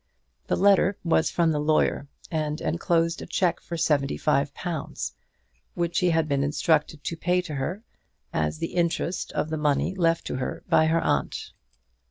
The letter was from the lawyer, and enclosed a cheque for seventy five pounds, which he had been instructed to pay to her, as the interest of the money left to her by her aunt.